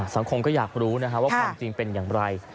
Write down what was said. สังคมก็อยากรู้ว่าความจริงเป็นอย่างไร